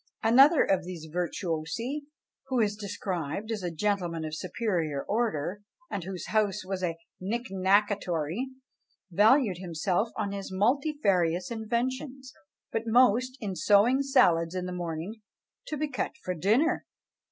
Another of these virtuosi, who is described as "a gentleman of superior order, and whose house was a knickknackatory," valued himself on his multifarious inventions, but most in "sowing salads in the morning, to be cut for dinner."